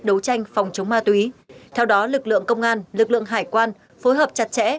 đấu tranh phòng chống ma túy theo đó lực lượng công an lực lượng hải quan phối hợp chặt chẽ